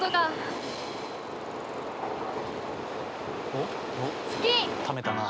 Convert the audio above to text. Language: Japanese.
おっためたなあ。